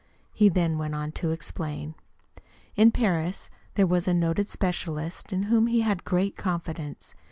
He then went on to explain. In Paris there was a noted specialist in whom he had great confidence.